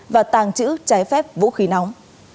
và tàng trữ trái phép vũ khí nóng